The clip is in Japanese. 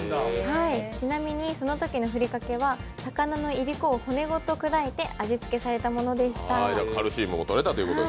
ちなみにそのときのふりかけは、魚のいりこを骨ごと砕いて味付けされたものでした。